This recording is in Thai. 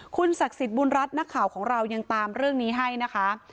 คุณศักดิ์สิทธิ์บุญรัฐนักข่าวของเรายังตามเรื่องนี้ให้นะคะ